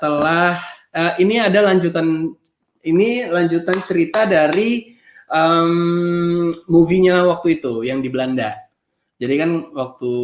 telah ini ada lanjutan ini lanjutan cerita dari movie nya waktu itu yang di belanda jadi kan waktu